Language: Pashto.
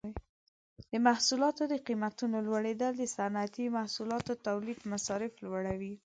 د محصولاتو د قیمتونو لوړیدل د صنعتي محصولاتو تولید مصارف لوړوي.